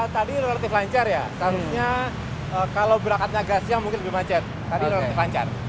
tadi relatif lancar ya seharusnya kalau berangkatnya gasnya mungkin lebih macet tadi relatif lancar